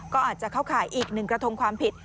ก็อาจจะเข้าข่ายอีกหนึ่งกระทงความผิด